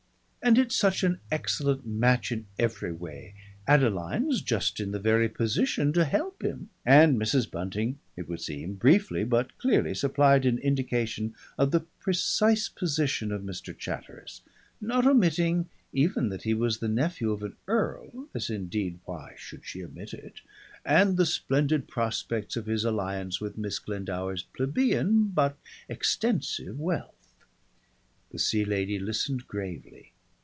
"And it's such an excellent match in every way. Adeline's just in the very position to help him " And Mrs. Bunting it would seem briefly but clearly supplied an indication of the precise position of Mr. Chatteris, not omitting even that he was the nephew of an earl, as indeed why should she omit it? and the splendid prospects of his alliance with Miss Glendower's plebeian but extensive wealth. The Sea Lady listened gravely.